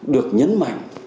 được nhấn mạnh